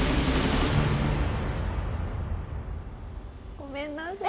ごめんなさい。